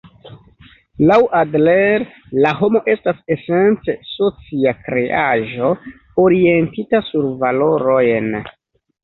Laŭ Adler la homo estas esence socia kreaĵo, orientita sur valorojn.